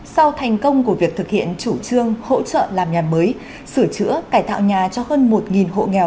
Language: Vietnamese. sau thành công của việc thực hiện chủ trương hỗ trợ làm nhà mới sửa chữa cải tạo nhà cho hơn một hộ nghèo